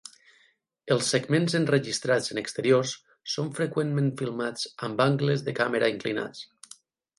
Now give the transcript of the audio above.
Els segments enregistrats en exteriors són freqüentment filmats amb angles de càmera inclinats.